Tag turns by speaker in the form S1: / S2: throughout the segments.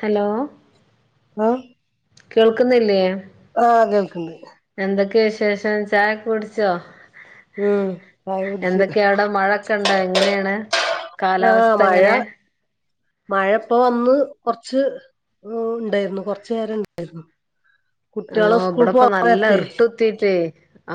S1: Hello കേൾക്കുന്നില്ലേ
S2: ആ കേൾക്ക്ണ്ട്
S1: [unintelligible] ചായൊകെ കുടിച്ചോ
S2: ഉം ചായ കുടിച്ച്
S1: എന്തൊക്കെയാ അവിടെ മഴൊക്കെ ഇണ്ട എങ്ങനെയാണ്
S2: ആഹ് മഴ
S1: കാലാവസ്ഥങ്ങനെ
S2: മഴ ഇപ്പ വന്നു കൊറച്ച് മുണ്ടായിരുന്നു കൊറച്ച്നേരംണ്ടായിരുന്നു
S1: ആ
S2: കുട്ട്യോളെ സ്കൂൾ
S1: ഇവിടെപ്പ
S2: പോവാ
S1: നല്ല
S2: നെരത്തെ
S1: ഇർട്ട് കുത്തിട്ടേ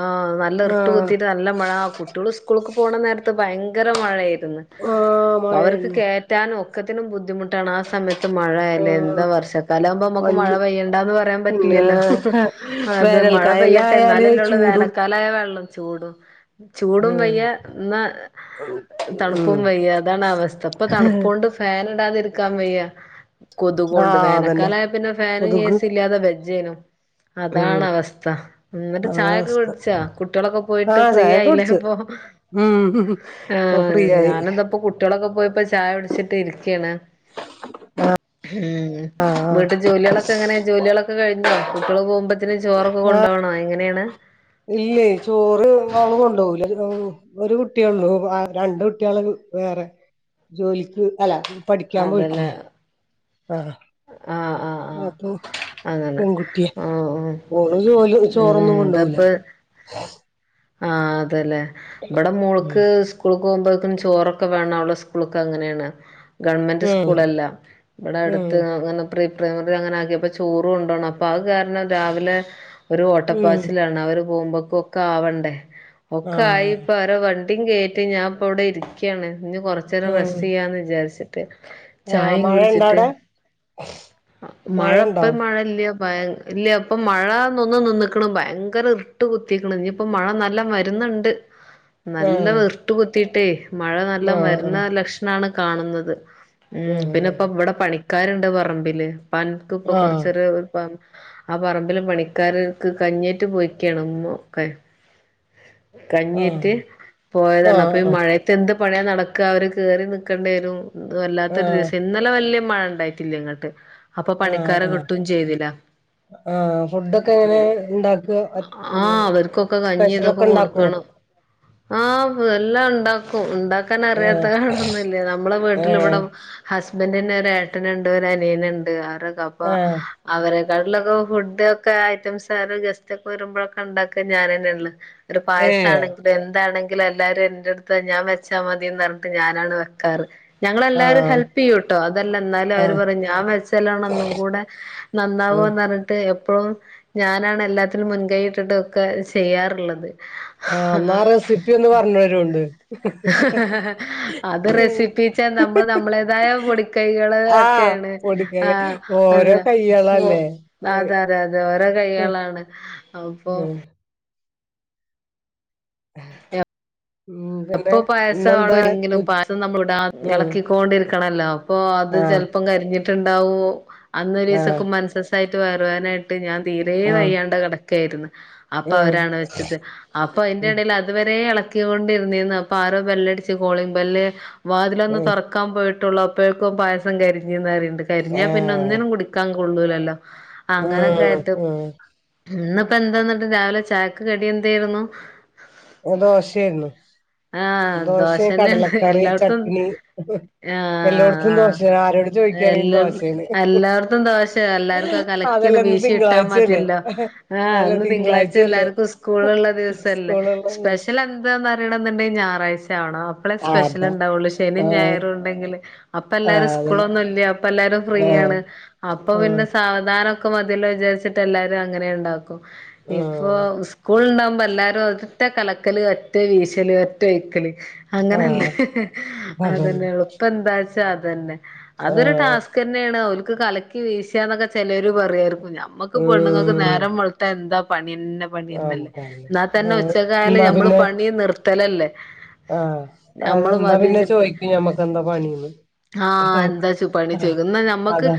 S1: ആ നല്ല ഇർട്ട്കുത്തിയിട്ട് നല്ല മഴ ആ കുട്ട്യോള് ഉസ്കൂള്ക്ക് പോണ നേരത്ത് ഭയങ്കര മഴയായ്ര് ന്ന്
S2: ആഹ്
S1: അവർക്ക്
S2: മഴയായിരുന്നു
S1: കേറ്റാനും ഒക്കത്തിനും ബുദ്ധിമുട്ട ടാണ് ആ സമയത്ത് മഴയല്ലേ എന്താ
S2: ആഹ്
S1: വർഷക്കാല ആകുമ്പോ നമുക്ക് മഴ
S2: വണ്ടി
S1: പെയ്യണ്ടാന്ന് പറയാൻ
S2: പിന്നെ
S1: പറ്റില്ലല്ലോ അതെ മഴ
S2: വേനൽക്കായെല്ലാം
S1: പെയ്യട്ടെ
S2: ആയാല്
S1: എന്നാലല്ലൊള്ളൂ
S2: ചൂടും
S1: വേനക്കാലായ വെള്ളം ചൂടും ചൂടും വയ്യ
S2: ഉം
S1: ന്നാ
S2: ഉം
S1: തണുപ്പും വയ്യാ അതാണവസ്ഥ ഇപ്പൊ തണുപ്പോണ്ട് ഫാനിടാതിരിക്ക ക്കാൻ വയ്യ കൊതുകൊണ്ട്
S2: ആഹ് അതന്നെ
S1: വേനക്കാലായ പിന്നെ ഫാനും
S2: കൊതുക്
S1: ഏസി ഇല്ലാതെ വെജ്ജേനോ അതാണ്
S2: ഉം
S1: അവസ്ഥ എന്നിട്ട്
S2: അതാ
S1: ചായൊക്കെ
S2: അവസ്ഥ
S1: കുടിച്ചാ കുട്ട്യേളൊക്കെ പോയിട്ട്
S2: ആഹ്
S1: ഫ്രീ
S2: ചായ
S1: ആയില്ലേ
S2: കുടിച്ചു
S1: ഇപ്പോ
S2: ഉം
S1: ആ
S2: ഇപ്പൊ ഫ്രീ ആയി
S1: ഞാനെന്താപ്പ കുട്ട്യോളൊക്കെ പോയപ്പോ ചായകുടിച്ചിട്ടിരിക്കേണ്
S2: ആ
S1: ഉം വീട്ട് ജോലികളൊക്കെ എങ്ങനെ ജോലികളൊക്കെ കഴിഞ്ഞോ കുട്ട്യോള് പോകുമ്പ ഇതിന് ചോറൊക്കെ
S2: ആഹ്
S1: കൊണ്ടോണോ എങ്ങനെയേണ്
S2: ഇല്ലേ ചോറ് മ്മ കൊണ്ടൊവുല ഒരു കുട്ടിയൊള്ളൂ രണ്ട് കുട്ടിയോളെ വേറെ ജോലിക്ക് അല്ല പഠിക്കാൻ
S1: അതല്ലേ
S2: പോയിട്ടാണ് ആ
S1: ആഹ് ആഹ് ആഹ്
S2: അപ്പൊ
S1: അങ്ങനെ
S2: പെൺകുട്ട്യാ
S1: ആഹ് ഉം
S2: ഓള് ജോലി
S1: ഉം
S2: ചോറൊന്നും കൊണ്ടൊവുല്ല
S1: ഇതപ്പ ആ അതെലെ ഇവടെ
S2: ഉം
S1: മോൾക്ക് സ്കൂൾ പോമ്പഴ്ക്കും ചോറൊക്കെ വേണം അവള സ്കൂള്ക്ക് അങ്ങനേണ് ഗവൺമെന്റ്
S2: ഉം
S1: സ്കൂളല്ലാ ഇവിടെ
S2: ഉം
S1: അടുത്ത് അങ്ങനെ പ്രി [unintelligible] അങ്ങനാക്ക്യ പ്പൊ ചോറുകൊണ്ടോണം അപ്പൊ അത് കാരണം രാവിലെ ഒരു
S2: ഉം
S1: ഓട്ടപ്പാച്ചിലാണ് അവര് പോവുമ്പകൊക്കാവണ്ടേ
S2: ആ
S1: ഒക്കായിപ്പ അവര വണ്ടി ട്ടിം കേട്ട് ഞാൻപ്പം ഇവിടെ ഇരിക്കുയാണ് ഇനി കൊറച്ചേരം
S2: ഉം
S1: റെസ്റ്റ് ചെയ്യാന്ന് വിചാരിച്ച്
S2: ആ
S1: ചായയും
S2: മഴ ഇണ്ടോ
S1: കുടിച്ചിട്ട്
S2: അവിടെ
S1: മഴ പ്പം മഴ ഇല്ല ഭയ ഇല്ല ഇപ്പ മഴന്നൊന്ന് ന്നിന്ന്ക്ക്ണ് ഭയങ്കര ഇർട്ട് കുത്തിക്ക്ണ് ഇനി ഇപ്പൊ മഴ നല്ല വരുന്നുണ്ട്
S2: ആ
S1: നല്ല വർട്ട് കുത്തിട്ടേ മഴ
S2: ആ
S1: നല്ലം വരുന്ന
S2: ആ
S1: ലക്ഷണാണ് കാണുന്നത് ഉ പിന്നെ ഇപ്പ ഇവിടെ പണി ക്കാരുണ്ട് പറമ്പില് പണിക്ക്പ്പൊ കൊറച്ചൊര് പ ആ പറമ്പില് പണിക്കാര്ർക്ക് കഞ്ഞേയ്റ്റ് പോയിക്കേണുമോക്കാൻ കഞ്ഞിട്ട്
S2: ആ ആ
S1: പോയതാണ് അപ്പൊ ഈ മഴയത്ത് എന്ത് പണിയ നടക്ക അവര് കേറി നിക്കണ്ടി വരും അത്
S2: ആ ആ
S1: വല്ലാതൊരു ദേഷ്യം ഇന്നലെ വല്ല്യ പ മഴ ഇണ്ടായിട്ടില്ല ഇങ്ങട്ട് അപ്പൊ
S2: ആ
S1: പണിക്കാര
S2: ആ ആ
S1: കിട്ടും ചെയ്തില്ല
S2: ആ ഫുഡൊക്കെ
S1: ഉ
S2: എങ്ങനെ ഇണ്ടാക്ക
S1: ആ അവർക്കൊക്കെ കഞ്ഞിതൊക്കെ ഇപ്പ
S2: സ്പെഷ്യലൊക്കെ ഇണ്ടാക്കോ
S1: കൊടുക്കണം ആ എല്ലാം ഇണ്ടാക്കും ഇണ്ടാ
S2: ആ
S1: അറിയാത്ത കേടൊന്നുല്ലാ നമ്മെ
S2: ഏ
S1: വീട്ടിലിവിടം ഹസ് ഹസ്ബൻ്റെൻ്റെ ഒരേഏട്ടനുണ്ട് ഒര അനിയന്ണ്ട് അവരൊക്കപ്പ
S2: ഏഹ്
S1: അവരെ കാട്ട്ലൊക്കോ ഫുഡ് ഒക്കെ ഐറ്റംസ് ആ ഗസ്റ്റ് ഒക്കെ വരുമ്പോഴൊക്കെ ഉണ്ടാക്ക ഞാനെന്നെ ഉള്ളൂ ഒരു പായസ
S2: ഏഹ്
S1: ആണെങ്കിലും എന്താണെങ്കിലും എ എല്ലാരും എന്റെടുത്ത് ഞാൻ വെച്ചാൽ മതിന്ന് പറഞ്ഞിട്ട് ഞാനാണ് വെക്കാറ് ഞങ്ങളെല്ലാവരും
S2: ആഹ്
S1: ഹെല്പെയ്യുംട്ടോ അതല്ല എന്നാലും അവര്
S2: ആഹ്
S1: പറയും ഞാൻ വച്ചലാണ് ഒന്നും കൂടെ നന്നാവും
S2: ഉം
S1: ഞ ഇപ്പൊന്നറിഞ്ഞിട്ട് എപ്പോഴും ഞാനാണ് എല്ലാത്തിനും മുൻകൈഇട്ടിട്ടൊക്കെ ചെയ്യാറ്ള്ളത്
S2: ആഹ് എന്നാ റെസിപ്പി ഒന്ന് പറഞ്ഞരൂണ്ട്
S1: അത്
S2: ഉം
S1: റെസിപ്പി ചീച്ച നമ്മള് നമ്മടേതായ പൊടിക്കൈകള്
S2: ആഹ്
S1: ഒക്കെയാണ്
S2: പൊടിക്കൈ
S1: ആ
S2: ഓരോ
S1: ഓ
S2: കൈകളല്ലേ ഏ,
S1: അതെ അതെ അതെ ഓരേ കൈകളാണ് അപ്പൊ
S2: ഉം
S1: എപ്
S2: ഉം പിന്നെ
S1: അപ്പൊ പായസ മാണോ
S2: ഇന്നെന്താ
S1: എങ്കിലും
S2: ഉ
S1: പായസം നമ്മൾ ഇടാ
S2: ഉം
S1: എളക്കി ക്കോണ്ടിരിക്ക് ണല്ലോ അപ്പോ അത്
S2: ആഹ്
S1: ചെല്പ്പ്പം കരിഞ്ഞിട്ടുണ്ടാവോ അന്നൊരീ
S2: ആഹ്
S1: സക്കു മാ തായിട്ട് വയറുവേനായിട്ട് ഞാൻ തീരെ
S2: ആഹ്
S1: കയ്യാണ്ട കെടക്കേയ്രുന്നു അപ്പൊ
S2: ഉം
S1: അവരാണ് വെച്ചത് അപ്പൊ അയ്ന്റെ
S2: ഉം
S1: എടെൽ അതുവരെ എളക്കിക്കൊണ്ട് [unintelligible] ആരോ വെല്ലടിച്ച് കോളിങ്ങ്‌ ബെല്ല്‌. വാതിലൊന്ന്
S2: ഉം
S1: തൊറ്ക്കാൻ പേട് ച്ചിട്ട് മുള്ള എപ്പോഴക്കും പായസം കരിഞ്ഞഞ്ന്ന്റണ്ട് കരിഞ്ഞാ പിന്നെ
S2: ഏഹ്
S1: ഒന്നിനും കുടിക്കാൻ കൊള്ളൂലല്ലോ അങ്ങനൊക്കെ
S2: ഉം
S1: ആട്ട
S2: ഉം
S1: ഇന്നിപ്പ എന്താന്നിട്ട് രാവിലെ ചായക്ക് കടി എന്തായിരുന്നു
S2: ഏതോശായിരുന്നു
S1: ആഹ് ദോഷ തന്നെ ഉണ്ട് എല്ലായിടത്തും
S2: ചട്ട്ണി
S1: ആഹ
S2: എല്ലായിടത്തും
S1: ആഹ
S2: ദോശയാണ് ആരോട് ചോദിക്കുകയാണെങ്കിലും
S1: എല്ല
S2: ദോശയാണ്
S1: എല്ലാവടത്തും ദോശ എക്കും
S2: അതല്ല ഇന്ന്
S1: ക
S2: തിങ്കളാഴ്ചയല്ലേ
S1: വട്ടാല്ല ാ
S2: അല്ല തിങ്കളാഴ്ചയല്ലേ
S1: എ ദിവസല്ലേ
S2: സ്കൂളുള്ള
S1: സ്പെഷ്യൽ എന്താന്ന്റിയണം എന്നുണ്ടെിൽ ഞായറാഴ് ോ അപ്പോളെ
S2: ആ
S1: സ്പെഷ്യൽ
S2: അതാ
S1: ഉണ്ടാവുള്ളൂ
S2: ആ
S1: ശും ഞായറും ഉണ്ടെങ്കില് അപ്പൊ
S2: ആ
S1: എല്ലാരും
S2: അതന്നെ
S1: സ്കൂളൊന്നും ഇല്ല അപ്പ എല്ലും ഫ്രീ
S2: ആ
S1: അപ്പ
S2: ആ
S1: പിന്നെ സാവ വിചാരിിട്ടും അങ്ങനും
S2: ആ
S1: ഇ സ്കൂ ്പ എല്ലരും ഒറ്റ കലക്കല് ഒറ്റേ വീശല് ഒറ്റ ഒഴക്കല്
S2: ആ
S1: അങ്ങനല്ലേ അതന്നെ എളപ്പ എന്താച്ചാ അതന്നെ
S2: ആ
S1: അതൊരു ടാസ്ക് തന്നെയാണ് അവക്ക് കലക്കി വീശന്നൊക്കെ ചിലര് പറയാ ഞമ്മക്ക്ി പെണ്ുങ്ങൾക്ക്
S2: ഉം
S1: നേരം വളത്ത എന്താ ന്നെ പണിന്നല്ലേ
S2: അതന്നെ
S1: എന്നാൽ
S2: ആ
S1: തന്നെ ഉച്ചകാല നമ്മ നിർത്തലല്ലേ
S2: ആഹ അ
S1: ഞമ്മള്
S2: അതെന്താ പിന്നെ ചോയ്ിക്കും ഞമ്മക്ക് എന്താ പണിന്ന്
S1: ആഹ എന്താച്ചു പണിച്ചോാ നമ്മക്ക്
S2: അതാ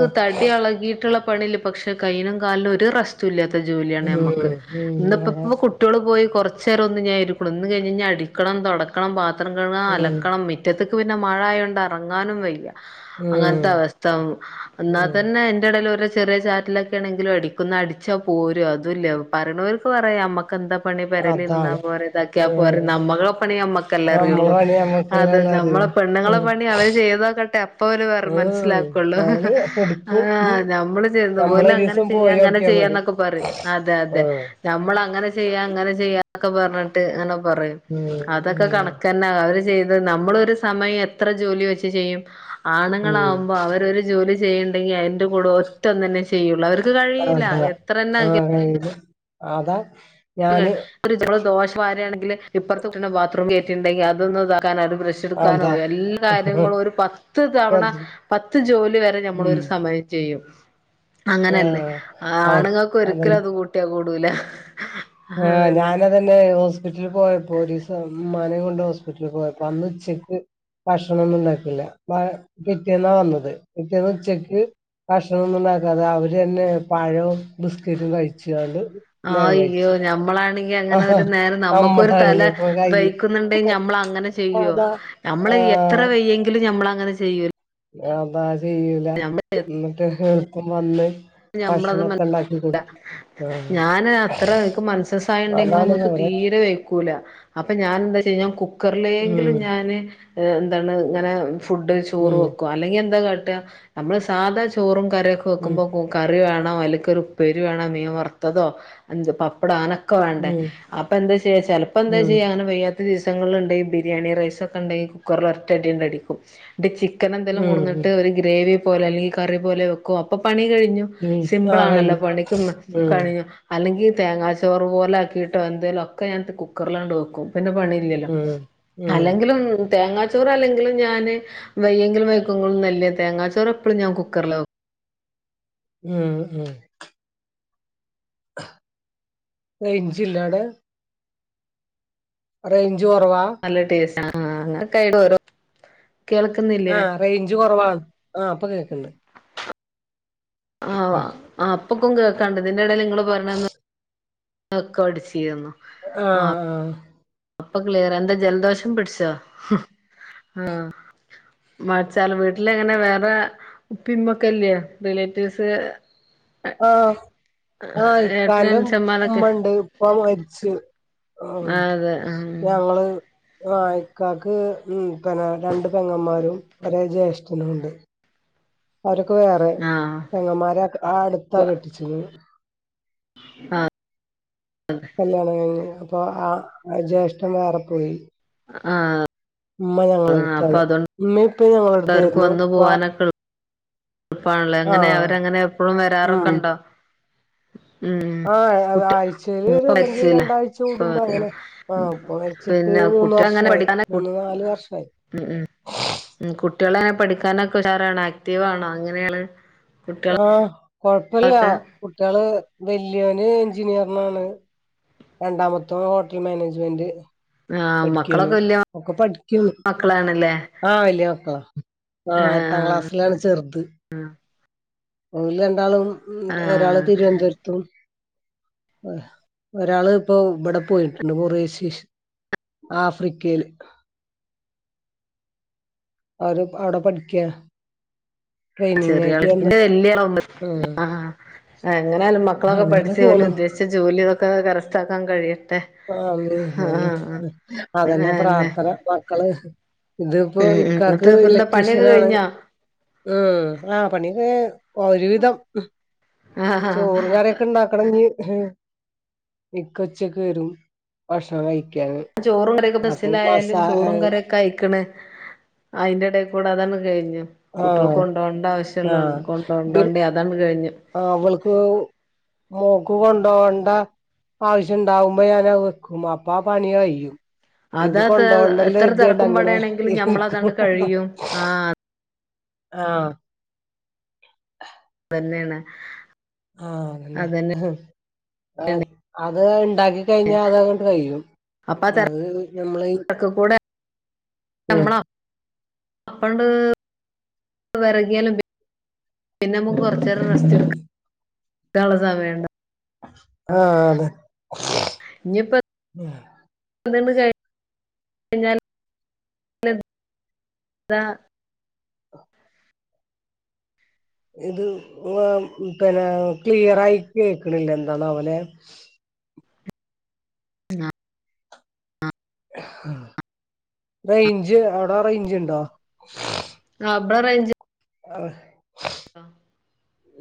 S2: ആ
S1: തടി അളകിയിട്ടുള്ള പണില്ല പക്ഷെ കയ്യിനും കാലും ഒരു റസ്റ്റ ഇല്ല ജോലിയാണ് നമ്മക്ക്
S2: ഉം ഉം
S1: ഇന്നപ്പോ
S2: അതാ
S1: ഇ കുട്ടികൾ പോയി കുറച്ചേരം ഒന്ന് ഞാൻ ഇക്കണം ഇന്ന് കഴിഞ്ഴാ അിക്കണം തുടക്കണം പത്രം കഴണം
S2: ഉം
S1: അലണം മ മുറ്റത്ത് ക്ക് പിന്നെ മഴയോൊണ്ട് ഇറങ്ങാനും വയ്യല്ല അങ്ങനത്തെ
S2: ഉം
S1: അവസ്ഥ എന്നാ
S2: ഉം
S1: തന്നെ എന്റെ ഇടൽ ഒരു ചെറിയ ചാറ്റിലൊക്കെ ആണെങ്കിലും അടിക്കുന്ന അടിച്ചാ പോരും അത ഇല്ല പറയണവർക്ക് പറയാം നമ്മക്കെന്താ ണ പരലിാ
S2: അതാണ്
S1: പോ ഇതക്കാ പോ
S2: ഉം
S1: നമ്മളെ പണിമ്മക്കല്ലാം
S2: നമ്മളെ
S1: അറിയുള്ളു
S2: പണി
S1: അ
S2: നമ്മക്കെല്ലാല്ല
S1: നമ്മള
S2: അറിയുള്ളു
S1: പെണ്ണുങ്ങളെ
S2: ഉം
S1: പണി അവര് ചെയ്തോക്കട്ടെ എപ്പര്
S2: ഉം
S1: മനസ്സിലാക്കുള്ളു
S2: ഓല് എടുക്കും
S1: ആഞ
S2: ഉം
S1: നമ്മ പോല അങ്ങനെ
S2: ഞമ്മളൊരീസം
S1: ചെയ അങ്ങനെ
S2: പോയോക്കിയാ മതി
S1: ചെയ്യന്നൊക്കെ പറയും അതെ അതെ
S2: ആഹ്
S1: നമ്മൾങ്ങനെ ചെയ അങ്ങനെ ചെയൊക്കെ പറിട്ട് അങ്ങെ പറയും അതൊക്കെ
S2: ഉം
S1: കണന്ന ചെയ നമ്മള ഒരു സമയം എ ജോലി വെച്ച് ചെയ്യും
S2: ഉം ഉം
S1: ആണുങ്ങളൾാവുമ്പോ അവരോല ചെയ്യണ്ടെങ്കി അതിന്റെ കൂടെ ഒറ്റ തന്നെ ചെയ്യുള്ളൂ അവർക്ക് കഴിൂല
S2: അതാ
S1: എത്ര തന്ന
S2: ആഹ് കയ്യില് അതാ ഞാന്
S1: ങ്ങള് ദോഷംാരയാണെങ്കില് ഇപ്പുറത്തെ കട്ടെ ബാത്റൂം കയറ്റിട്ടുണ്ടെങ്കിൽ അതൊന്ന എാനോ ബ്രഷ എടുക്കാനോ
S2: അതാ
S1: എല്ലാ കാര്യങ്ങളും ഒരു പത്ത് തവണ പത്ത് ജോലി വരെ
S2: ഉം
S1: നമ്മളരു സമയം ചെയ്യും അങ്ങനല്ലേ
S2: ആഹ് അതെ
S1: ആണുങ്ങൾക്ക് ഒരിക്കലും അത് കൂട്ടിയാ കൂടൂല
S2: ആഹ
S1: അതന്നെ
S2: ഞാനതന്നെ ഹോസ്പിറ്റലിൽ പോയപ്പോ ഒരുലീ മനെ കൊണ്ട് ഹോസ്പിറ്റലിൽ പോയപ്പോ അന്ന് ചെക്ക് ഭക്ഷണംൊന്നും ഉണ്ടാക്കില്ല പിറ്റേന്നാ വന്നത് പിെറ്റേന്ന് ഉച്ചക്ക് ഭക്ഷണംൊന്നും ഉണ്ടാക്കാതെ അവര്ന്നെ പഴവും ബിസ്കറ്റും കഴിച്ചണ്ട്
S1: ആഹ അയ്യോ ഞമ്മളാണ് അ
S2: ആഹാ
S1: നേം നമുക്ക തല
S2: നമ്മളാണെങ്കി ഇപ്പൊ കയ്യിൽ
S1: വഹിക്കുന്നുണ്ടെങ്കിൽ നമ്മൾ അങ്ങനെ ചെയ്യോ
S2: അതാ
S1: നമ്മള എത്ര
S2: ആഹ്
S1: വെയ്യെങ്കിലും നമ്മള അങ്ങനെ ചെയ്യൂോ
S2: അതാ ചെയ്യൂല എന്നിട്ട് എപ്പം വന്ന് ഭക്ഷണക്കെ ഉണ്ടാക്കീ ക്ണ്
S1: ഞാൻ അത്ര എനക്ക് മനസസായ
S2: അതാണ്
S1: ഉണ്ടെങ്കി
S2: അവരെ
S1: തീരെ വയ്ക്കൂല അപ്പൊ ഞാൻ എന്താച്ചയ്ഞ്ഞാ കുക്കറിലേകി
S2: ഉം
S1: ലും ഞാൻ എന്താണ് ഇങ്ങനെ ഫുഡ് ചോറ്
S2: ഉം
S1: വെക്കും അല്ലെങ്കിൽ എന്താ കാട്ട് നമ്മള് സാധാ ചോറും കറിക്കെ
S2: ഉം
S1: വെക്കുമ്പോ കറി വേണോ അയ്ല് കൊരു ഉപ്പേരിവേണോ മീൻ വറുത്തതോ പപ്പടോ അങ്ങ ക്ക വേണ്ടേ
S2: ഉം
S1: അപ്പൊ എന്താ ചെയ്യാ ചിലപ്പോ എന്താ
S2: ഉം
S1: ചെയ്യൻ വയ്യാ ചില ദിവസങ്ങളിൽണ്ടെങ്കിൽ ബിരിയാണി റൈസ് ഒക്കെ ഉണ്ടെങ്കിൽ കുക്കറിൽ ഒരറ്റടിണ്ട അടിക്കും ചിക്ക ചിക്കൻ എന്തെിലും
S2: ഉം ഉം
S1: കൊടുന്നിട്ട് ഒരു ഗ്രേവി പോലെ അല്ലെങ്കിൽ കറി പോലെ വെക്കും അപ്പോൾ പണികയ്ഞ്ഞ്
S2: ഉം
S1: സിമ്പിൾ
S2: ആ
S1: ആണല്ലോ
S2: കഴിഞ്ഞു
S1: പണിക്കും
S2: ഉം
S1: കഴിഞ്ഞു അല്ലെങ്കിൽ തേങ്ങാച്ചോറ് പോല ആക്കിയിട്ടോ എന്തേങ്കലും ഒക്കെ ഞാൻ കുക്കറിലാണ്ട് വെക്കും. പിന്നെ പണി ഇല്ലല്ലോ
S2: ഉം ഉം
S1: അല്ലെങ്കിലും തേങ്ങാച്ചോറ അല്ലെങ്കിലും ഞാന് വയ്യെങ്കിലും വൈക്കുമ്പൊന്നല്ലേ തേങ്ങാച്ചോറ് എപ്പഴും ഞാൻ കുക്കറിൽ വക്കും.
S2: ഉം ഉം റൈഞ്ച് ഇല്ലാടെ? റൈഞ്ച
S1: നല്ല ടേസ്റ്റ് ആ അങ്ങനെക്കായിട്ട് ഓരോ കേൾക്കുന്നില്ലേ
S2: ആഹ റേഞ്ച് കൊറവാണ് ആ അപ്പൊ കേക്കന്ന്.
S1: ആ അപ്പൊക്കും കേൾക്കാണ്ട് ഇന്റെ ഇടൽ നിങ്ങള്ൾ പറയണ് ഒക്കെ വടിച്ചിരുന്നു.
S2: ആഹ ആഹ
S1: അപ്പൊ ക്ലിയർ എന്താ ജലദോഷം പിടിച്ചാ ആഹ. മച്ചാല് വീട്ടില എങ്ങനെ വേറെ ഉപ്പിമ്മൊക്കെല്ലേ റിലേറ്റീവ്സ്?
S2: ആഹ ആ ഇക്കാ
S1: ഏട്ടന്
S2: ന്റെ
S1: അനുജന്മാരൊക്കെ
S2: ഉമ്മണ്ട് ഇപ്പ മരിച്ച് ആ ഞങ്ങള് ആ ഇക്കാക്ക് ഉ പിന്നെ രണ്ട് പെങ്ങന്മാരും ഒരേ ജ്യേഷ്ഠനും ഉണ്ട്. അവരൊക്കെ വേറെ
S1: ആ ആഹ്
S2: പെങ്ങന്മാരെ ആ അടുത്താ കെട്ടിച്ചിക്ണ്.
S1: ആ
S2: കല്യാണം കഴിഞ് അപ്പൊ ആ ജ്യേഷ്ഠൻ വേറെ പോയി.
S1: ആഹ
S2: ഉമ്മ ഞങ്ങള അടുത്താണ് ഉമ്മ ഇപ്പ ഞങ്ങള അടുത്തായിരുന്നു ഇപ്
S1: പ്ണല്ലോ എങ്ങനെ അവരങ്ങനെ എപ്പോഴും വരാറൊക്കെ ഉണ്ടോ? ഉം
S2: ആ
S1: കുട്ടി
S2: ആഴ്ചയില്
S1: ഇപ്പ
S2: അല്ലെങ്കിൽ
S1: മരിച്ചില്ലേ
S2: രണ്ടാഴ്ച കൂടുമ്പോ അങ്ങനെ ആ ഉപ്പ മരിച്ച്
S1: പിന്നെ
S2: ഈമൂന്ന്
S1: കുട്ടികൾ അങ്ങനെ
S2: വർഷായി
S1: പഠിക്കാന
S2: മൂന്ന് നാല് വർഷയി.
S1: ഉം ഉം ഉ കുട്ട്യാള് പഠിക്കാനൊക്കെ ഉഷാറാണോ ആക്റ്റീവാണോ എങ്ങനെയാണ്?
S2: ആഹ കൊഴപ്പല്ല കുട്ടികള് വല്യോന്. എചിനീയറിങ്ങിനാണ് രണ്ടാമത്ത ഓന് ഹോട്ടൽ മാനേജ്മെന്റ്.
S1: ആഹ്
S2: പഠിക്കയാണ്
S1: മക്കളൊക്കെ വല്യ
S2: ഒക്കെ പഠിക്ക്ണ്
S1: മക്കളാണല്ലേ
S2: ആ വേല്യാന് ആ എട്ടാം
S1: ആഹ്
S2: ക്ലാസ്സിലാണ് ചെറുത്. ഓല്‌രണ്ടാളും ഒരാള്
S1: ആഹ്
S2: തിരുവന്തൊരത്തും. ഒരാള് ഇപ്പൊ ഇവിടെ പോയിട്ടുണ്ട് ബുറെഷീസ് ആഫ്രിക്കേല്. അവര് അവിടെ പഠിക്കാ ട്രെയിനിങ്ങായിട്ട്
S1: ചെറിയാള്
S2: വന്നാ
S1: ഇന്റെ എങ്ങനെ ആയാ ലും മക്കളൊക്കെ പഠിച്ച് ഉദ്ദേശിച്ച ജോലി ഇതൊക്കെ കരസ്ഥക്കാൻ കഴിയട്ടെ.
S2: ആന്നെ
S1: ആഹ് ആഹ്
S2: അതന്നെ പ്രാർത്ഥന മക്കള് ഇതിപ്പോ
S1: ഉം ഉം എന്നിട്ട്
S2: ഇക്കക്ക്
S1: ഇപ്പ എന്താ പണിയൊക്കെ
S2: ഇലക്ട്രീഷ്യൻ ആണ്.
S1: കഴിഞ്ഞോ
S2: ഉം ആഹ് പണിക്കെ ഒരുവിധം.
S1: ആഹ്
S2: ചോറും കറിക്കെ ണ്ടാക്കണം ഞ്ഞ് മിക്കച്ചക്ക വരും ഭക്ഷണം കഴ
S1: ചോറും കരൊക്കെ ബസ്സിലായാലും ചോറും
S2: ആഹ്
S1: കരൊക്കെ അയിക്കണേ അയിന്റെടൽക്കൂടെ അതാണ് കഴിഞ്ഞത് കുട്ടികൾ
S2: ആഹ്
S1: കൊണ്ടോണ്ട ആവശ്യല്ല
S2: ഇവര്
S1: കൊണ്ടോണ്ടോണ്ടേ അതാണ് കഴിഞ്ഞ
S2: [unintelligible] നക്ക് കൊണ്ടുപോകേണ്ട ആവശ്യംണ്ടാവുമ്പോ ഞാൻത് വെക്കും അപ്പ ആ പണി കഴിയ്യും ഇത്
S1: അതാ
S2: കൊണ്ടോണ്ടല്ലോ
S1: എത്ര
S2: എരുതിണ്ട
S1: തിരക്കും
S2: അങ്ങനെ
S1: പാടാണെങ്കിലും
S2: എനരിക്കും
S1: ഞമ്മളതങ്ങ് കഴിയും
S2: ആഹ
S1: എന്നെയാണ്
S2: ആ അല്ലെ അത് ഉണ്ടാക്കി എ കഴിഞ്ഞാ അത കൊൊണ്ട് കഴിയും
S1: അപ്പൊ ആ
S2: അത് നമ്മള
S1: തിരക്ക് കൂടെ
S2: ആഹ
S1: നമ്മൾ അപ്പണ്ട് വിറകിയാലും പിന്നെ നമുക്ക് കൊറച്ച നേേരം റസ്റ്റ് എടുക്കാം കള സ വേണ്ട
S2: ആഹ അതെ
S1: അ കഴി കഴിഞ്ഞ താ
S2: ഇത് പിന്നെ ക്ലിയർായി കേക്കണില്ല എന്തണോ അവനെ
S1: ആ
S2: റേഞ്ച് എവിടാ റേഞ്ച് ഇണ്ടോ
S1: ഫബ്രറഞ്ച്
S2: ആഹ
S1: അ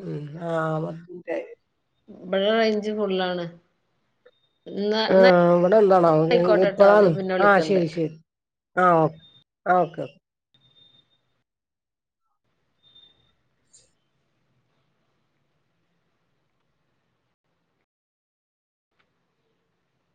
S2: ഉം ആഹ അ
S1: ഇവിടെ റേഞ്ച് ഫുള്ളാണ് എന്നാ
S2: ആ
S1: എന്നാ
S2: ഇവിടെ എന്താണോ
S1: ആയിക്കോട്ടെ ട്ടോ എന്നാ
S2: ഇപ്പഴാന്ന്
S1: പിന്നെ
S2: ആഹ
S1: വിളിക്കണ്ട്
S2: ശരി ശരി ആഹ ഓേ ഓക്കേ ഓക്കെ